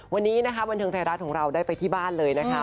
วันนี้นะคะบันเทิงไทยรัฐของเราได้ไปที่บ้านเลยนะคะ